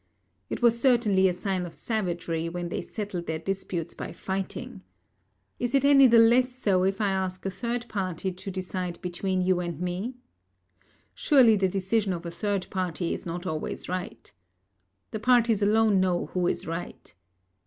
It was certainly a sign of savagery when they settled their disputes by fighting. Is it any the less so if I ask a third party to decide between you and me? Surely, the decision of a third party is not always right. The parties alone know who is right.